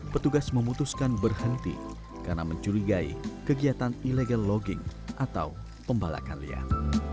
petugas memutuskan berhenti karena mencurigai kegiatan illegal logging atau pembalakan liar